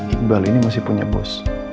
iqbal ini masih punya bos